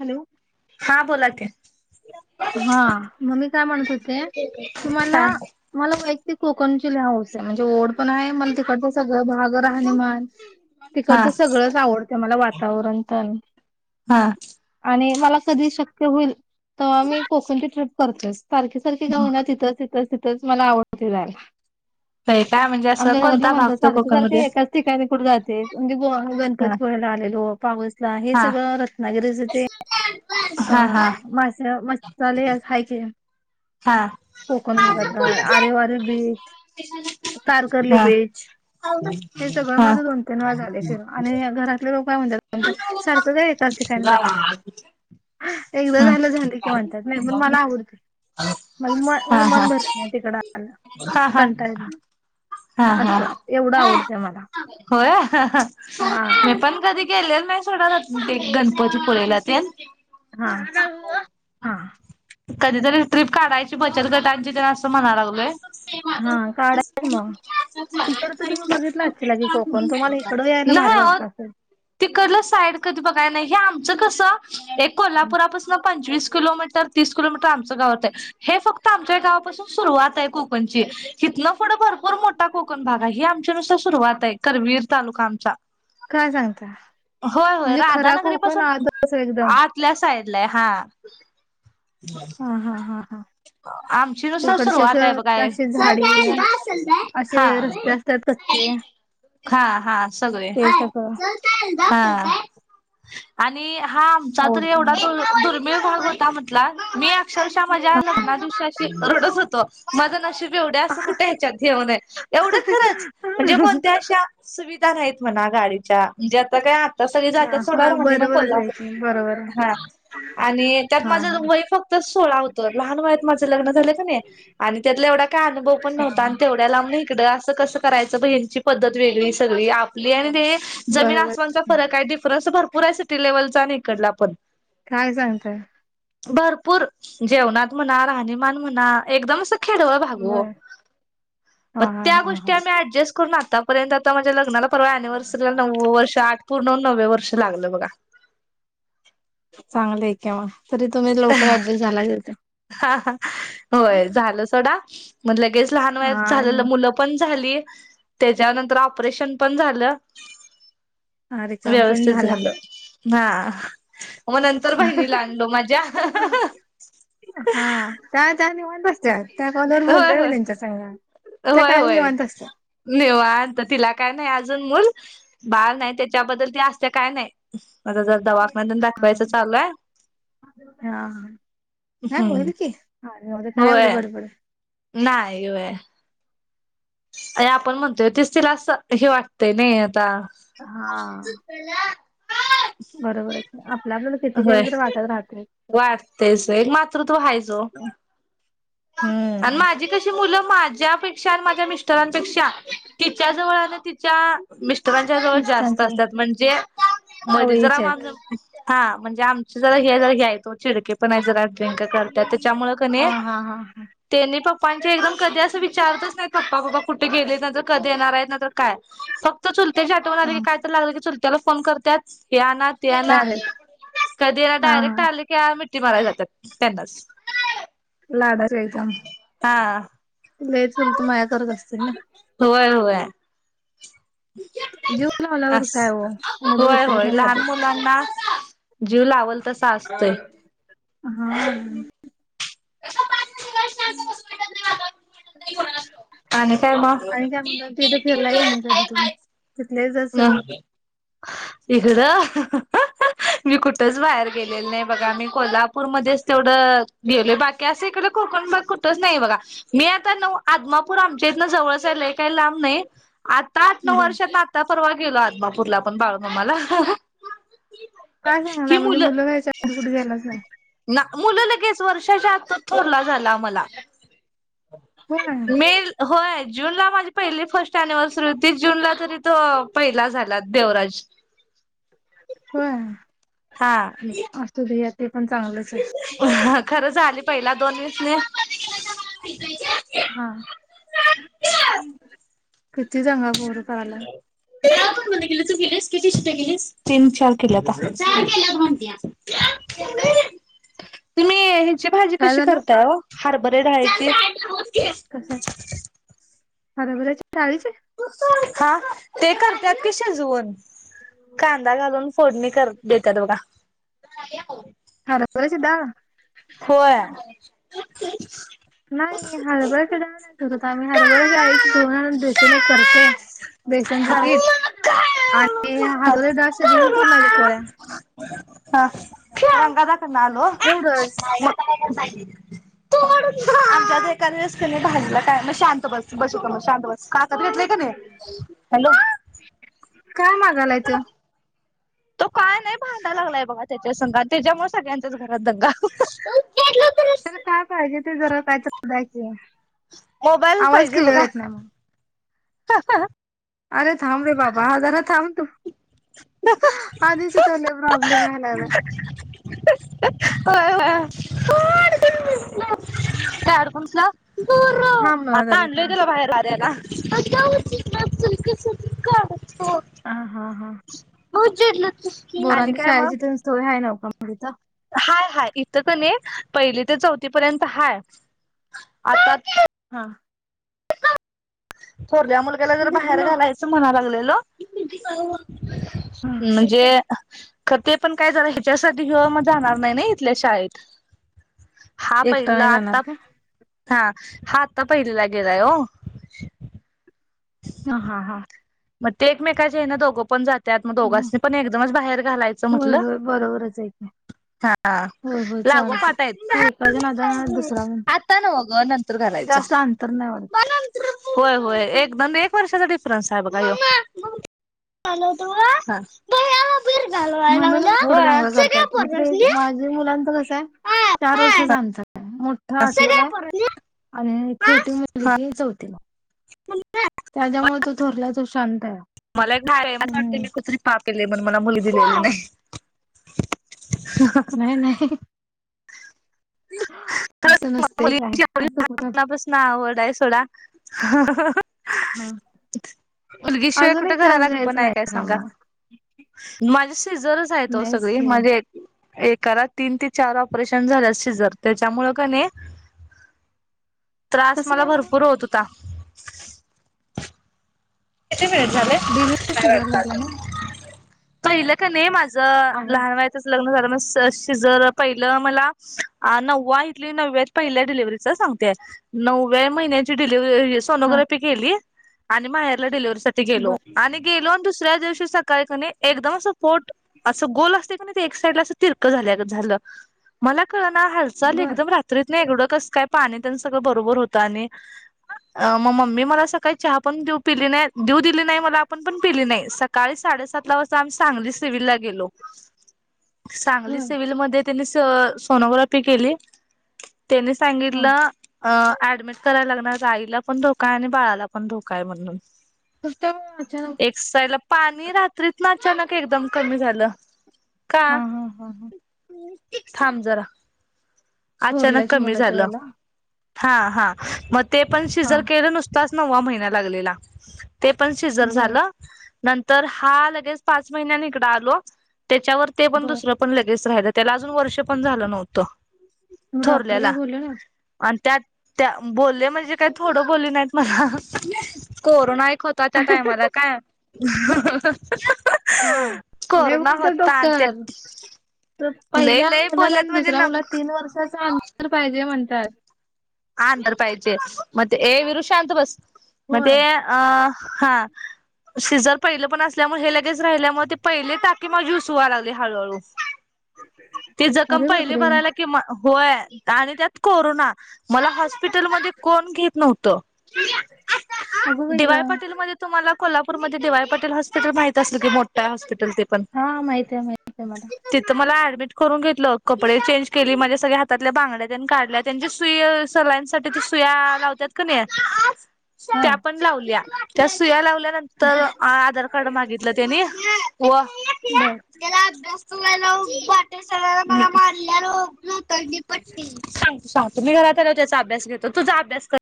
Hello हा बोलायच हा मग मी काय म्हणते होते तुम्हाला हा मला ती कोकणची लय हौस आहे म्हणजे ओड पण आहे मला तिकडच सगळं भाग राहणीमान हा तिकडचं सगळच च आवडतं मला वातावरण पण हा आणि मला कधी शक्य होईल तर आम्ही कोकणची ट्रीप करतेस सारखी सारखी का होईना तिथं तिथ तेच मला आवडते जायला होय का आमच्या घरातले म्हणतात सारखे सारखे एकाच ठिकाणी कुठे जातेस म्हणजे गोवा हा गणपतीपुळेला आलेलो पावसला हे हा सगळं रत्नागिरीच इथे अ हा हा हा मासे मच्छी चालेल आहे की हा हा कोकण हा भागातला हा आरेवारी बीच कार करली बीच हे सगळं माझं दोन तीन वेळा झालेय फिरून आणि घरातले लोक काय म्हणतात तुमच सारखं काय येत असता तिला राहू दे एकदा झालं झालंय म्हणताय नाही पण मला आवडते म हा म मन भरत नाही तिकड आल्यावर हा आ हा आ हा असं एवढं हा आवडतं मला होय य हा मी पण कधी गेले नाही सोडून जात ते गणपती पुळेला तेन हा आ हा आ कधीतरी ट्रीप काढायची बचत गटांची असं म्हणा लागलोय. हा काढा की मग, तिकड तर तुम्ही बघितला असशीला की कोकण तुम्हाला इकडं यायला भारी वाटत असेल हया साइड कधी बघाय नाय हे आमच कस ते कोल्हापूरपासून पंचवीस किलोमीटर तीस किलोमीटर आमंच गावात येतय हे फक्त आमच्या गावापासून सुरवात हाय. म्हणजे हितनं पुढं भरपूर मोठा कोकण भाग आहे ही आमची नुसती सुरुवात हाय ताई करवीर तालुका आमचा काय सांगताय. होय होय राधानगरी पासून एकदम आतल्या साइडला आहे हा हम्म हम्म हम्म हम्म आमची नुसत तिकडचे अस सुरुवात आहे बघा असे झाडीई असे हा. रस्ते असतात कच्चे ते अ हा आ हा आ सगळे हा आ आणि हा आमचा तर आवडते ऐवढा म दुर्मिळ, मी एक भाग असा होता म्हटला मी अक्षरशः माझ्या लग्ना दिवशीशी अशी रडत होतो. माझं नशीब एवढ्या असं कठे ह्याच्यात घेऊन आहे एवढं खरंच म्हणजे कोणत्या अशा सुविधा काय माहित नाही म्हणा गाडीच्या म्हणजे आता काय तर सगळी जातात सोडायला हा मग मि ना बरोबरच आहे कोल्हापूर की बरोबर मग हा आणि त्यात हा माझं हा वय फक्त सोळा होतं लहान वयात माझं लग्न झालं आणि त्यातला एवढा काय अनुभव पण नव्हता आणि तेवढ्या लांब न इकडं असं कस करायच ह्याची पद्धत वेगळी सगळी आपली आणि ते जमीन बरोबर आसनचा फरक आहे डिफरन्स भरपूर पुऱ्या सिटी लेव्हलचा नाही इकडला पण काय सांगतय. भरपूर जेवणात म्हणा राहणीमान म्हणा एकदम खेडवळ भाग हो बर प हा हा त्या हा हा गोष्टी आम् अडजस्ट करून आतापर्यंत आ माझ्या लग्नाला परवा अनिव्हर्सरीला नव्व वर्ष आठ, पूर्ण नववे वर्ष लागलं बघा. चांगलं आहे केव्हा तरी तुम्ही लवकर ऍडजस्ट झाला. होय झालं सोडा म्हण लगेच लहान वया झालेलं हा मुलं पण झाली त्याच्यानंतर औपरेशन पण झालं. रिकाम पण व्यवस्थित झाला झालं. हा मग नंतर बहिणीला आणलो माझ्या हा त्या च निवांत असत्यात म्या कॉलवर होय बोलतय मी होय त्यांच्या सग होय होय निवांत तिला काय नाही अजून मूल बाळ नाही त्याच्या त्याबद्दल त असते काय नाही माझ जर दवाखून दाखवायच चालूय. हा नाही हम्म होईल की काय एव्हडी होय. गडबड नाही ये आहे. अ आपण म्हणतोय तस तला असं हे वाटतय नाही आता हा बरोबर आपल्या आपलं किती होय. केलं तररी वाटत राहते. वाटतेच एक मातृत्व हायच ओ आणि हम्म माझी कशी मुलं माझ्यापेक्षा आणि माझ्या मिस्टरांपेक्षा तिच्या जवळ आणि तिच्या मिस्टरांच्या जवळ जास्त मिस्टरांचे असतात म्हणजे मध जरा चवळीचे मा आहेत. हा म्हणजे आमचे जरा हे जर घ्यायचो चिडके पण आहे जरा करत त्याच्यामुळे हा क हा हा त्यानी् पप्पांचे एकदम कधी असं विचारतच नाही पप्पा बापा कुठे गेले नंतर कधी येणार आहे नंतर काय फक्त... चुलत्याच्या आठवण आले हा की काय तर लागलं की चुलतला फोन करत्यात.. त्या ना त्या ना डायरेक्ट कधी ना हा डायरेक्ट हा आले की... मिठी माराय जातात त्यांनाच... लाडाचय का हा तचल तर माया करत असतील ना... होय होय जीव लावल्यावर अस काय हो मुलं होय विसरत होय नाही बघा ते लहान मुलांना... जीव लावल तसा असतोय.. हा... [unintelligible] हम्म.... आणि काय मग आणि काय म्हणत तथ फिरलाय काी नाही कधी तुम्ही तिथल्या... हम् इकड... मी कुठच बाहेर गेलेल नाही बघा आम्ही कोल्हापूरमध्येच तेवढं गेलोय बाकी असं इकडे... कोकण कुठच नाही बघा मी आता न आदमापूर आमच्या इथनं जवळच हाय काही लांब नाही... आता आठ नऊ बर वर्षातना आता परवा गेलो आदमापूरला आपण बाळूमामाला.... काय सांगायलाय म्हणजे मुलं घ्यायच्या आधी कुठे घ्यायलाच नाही.... पाच वर्षाच्या आतच ठरला झाला मला... होय मे होय जूनला माझी पहिली फर्स्ट अनिव्हर्सरी होती जूनला तरी.. त पहिला झालात देवराज.. हा... हा... चांगलंच आहे खरं झाली पहिला दोन वीस न.. हा किती सांगा पोर... पहिला.. तू किती शिट्या केलीस तीन चार किल्यात चार केल्या म्हणते.. [unintelligible] त्याची भाजी कशी झालं करताय हरभरे ढाळीची... कशाची हरभऱ्याच्या डाहाळीची... हा ते करतात की शिजवून कांदा घालून फोडणी... देतात बघा.... हरभऱ्याची डाळ... होय.... नाही हरभऱ्याच्या डाळ नाही. करत आम्ही हरभराची डाळ आईच दळून आणून हा बेसून करते.. बेसनचे पीठ आणि हरभरा डाळ शिजवून पुरणाच्या पोळ्या... हा रंगा दा कडून आलो.. [unintelligible] एवढंच. शहाणा आहे ना आहेस की नाही मग शांत बस बस शांत बस... काखत घेतलं की नाही, हॅलो.... काय मागायलाय तो... तो काय नाही भांडा लागलाय बघा त्याच्या संग आणि त्याच्यामुळे सगळ्याचाच.. काय पाहिजे ते जरा कायतर द्या की... आवाज क्लिअर येत नाही.... हा ह... अरे थांब रे बाबा जरा थांब... आधीच इथं ह्याला प्रॉब्लेम याय लागलाय... होय... थांब ना आता जरा आणलय थांब तुला बाहेर वाऱ्याला.. कसतरी काड.... ह हा हा... उचलून... पोरांच्या शाळेची तीन सोय आहे नवका मग तिथं हाय हाय इथं का नाही पहिली ते चौथी पर्यंत हाय आता हा थोरल्या मुलग्याला जरा बाहेर घालायचं म्हणा लागलेलो म्हणजे खर ते पण काय झालं ह्याच्यासाठी मग जाणार नाही ना इथल्या शाळेत हा एकटा पहिला नाही जाणार आता काय? हा हा आत्ता पहिली ला गेलाय ओ ह हा हा मग ते एकमेकाचे ह्याने दोघं पण जातात त्यात मग दोघांसनी पण एकदमच बाहेर घालायचं होय म्हटलं. होय बरोबरच आहे की. हा होय होय लागो चालते पाठ आहेत ते एकाच्या नादानं ना, दुसरा म्हण आता न्हवं ग नंतर घालायच जास्त अंतर नाही वाढत होय होय वर्षाचा डिफरनस आहे बघा म्हणूनच एवढं दंगा करतात, माझ्या मुलांच कसं आहे चार वर्षाचं अंतर आहे. मोठा आठविला आहे आणि छोटी मुलगी ती चौथीला त्याच्यामुळे तो थोरला आहे तो शांत आहे मला एक वाट हम्म मी कुठेतरी पाप केले म्हणून पण मला मुलगी दिलेली नाही नाही नाही असं नसते काय मुलीची आवड असं कुठं लहानपणापासून आवड आहे सोडा हा मुलगी शिवाय अजून कुठे एक चान्स घराला घरपण घ्यायचं आहे नाही काय का सांगा मग माझे सीझरच आहेत ओ नाहीच सगळी हे माझे एकाला तीन ते चार ऑपरेशन झाले अस सिजर त्याच्यामुळे की नाही त्रास कसं मला काय बरं भरपूर होत होता मि झाले डिलिव्हरी नाही सिझर झाला वाटत ना त इल का नाही माझं आहे लहान वयाचंच लग्न झा जर पहिलं मला नव्वा इथले नवव्यात पहिल्या डिलिव्हरीच सांगतेय नवव्या महिन्याची डिलिव्ह हा सोनोग्राफी केली आणि माहेरला डिलिव्ह गेलो बर आणि गेलो आणि दुसऱ्या दिवशी स एकदम सोर्ट असं गोल असते क नाही एक साईडला अस तिर्क झालं मला ना हालचाल बर एकदम रात्रीत नाही एवडं कस काय पाणी त्यांना सगळं बरोबर होतं आणि अ मग मम्मी मला सकाळी चहा पण देऊ पिली नाही देऊ दिली नाही मला आपण पण पिली नाही सकाळी साडेसात ला वाजता आम्ही सांगली सिवल ला गेलो सांगली बर सिव्हलमध्येध्ये त्यांनी सोनोग्राफी केली त्यानी हा सांगितलं अ ऍडमिट करायला लागणार आईला पण धोका आहे आणि बाळाला पण धोका आहे म्हणून कसत अच्या ना एक साईडला पाणी रात्रीत ना अचानक एकदम कमी झालं का हा हा हा हा थांब जरा अचानक थोरल्याच्या कमी मुलाच्या झालं वेळेला हा हा मग ते पण हा शिजल केलं नुसतच नववा महिना लागलेला ते पण शिजर बर झालं नंतर हा लगेच पाच महिन्या नििकडा आलो त्याच्यावर ते पण बर दुसरं पण लगेच राहिलं त्याला अजून वर्ष पण झालं नव्हतं तुही डॉक्टर काय थोरल्याला बोलल ना आणि त्यात त्या बोलले म्हणजे काही थोड बोल नाहीत मला कोरोना ख होत त्या काय मला काय हा लय कोरोना बोलतात होता अत डॉक्टर तर पहिल्या मुलात आणि दुसऱ्या मुलात तीन वर्षाच अंतर पाहिजे म्हणतात आंदर पाहिजे म ते हे विरुशांत बस म होय ते अ हा शिजर पहिलं पण असल्यामुळे हे लगेच राहिल्यामुळे ते पहिले टाकी माझी उस लागले हळूहळू ती जखम अरे पहिली बापरे भरायला कि होय आणि त्यात कोरोना मला हा पिटल म कोण घेत नव्हत अगं बाई दिवाय गं पाटील म तुम्हाला कोल्हापूरमध्ये दिवाय पटे हॉस्पिट माती असल की मोठा हॉस्िटल पण हा माहित आहे माहित आहे मला तिथ मला ट करून घेतलं कपडे चेंज केली म्हणजे सगळ्या हातल्या बांड्या त्यांनी काढल्या त्यांच्या सुय सलांसाठी सुया लावतात का नाही हा त्या पण लावल्या त्या सुया लावल्यानंतर आधार कार्ड मागितलं त्यानी ब बर त्याला तुमला वाटे सराला म मारल्यालात पट्ट घरात त्याचा अभ्यास घेतो तुझा अभ्यास कर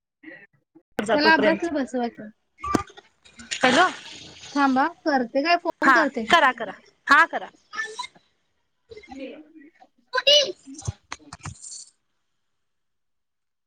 जा त्याला असला तोपर्यंत बसवायचं हॅलो थांबा कर हा करा करा हा करा ह